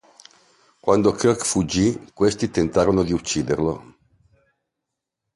Quando Kirk fuggi, questi tentarono di ucciderlo.